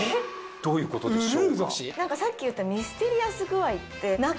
どういうことでしょう？